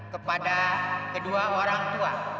kepada kedua orang tua